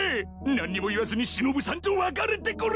何にも言わずにしのぶさんと別れてくれ！